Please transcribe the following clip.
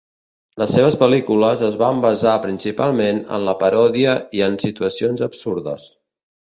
Les seves pel·lícules es van basar principalment en la paròdia i en situacions absurdes.